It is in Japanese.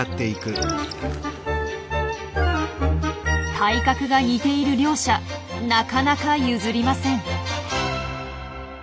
体格が似ている両者なかなか譲りません。